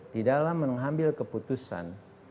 di dalam mengambil keputusan